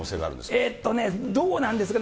えーっとね、どうなんですかね。